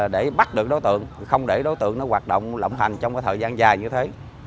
để bắt được đối tượng không để đối tượng nó hoạt động lộng hành trong cái thời gian dài như thế